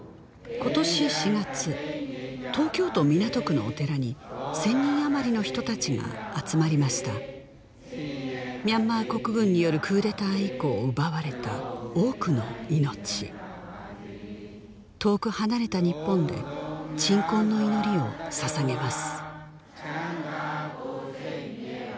今年４月東京都港区のお寺に１０００人あまりの人達が集まりましたミャンマー国軍によるクーデター以降奪われた多くの命遠く離れた日本で鎮魂の祈りをささげます